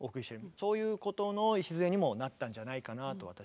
そういうことの礎にもなったんじゃないかなと私は思っております。